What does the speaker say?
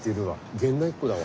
現代っ子だわ。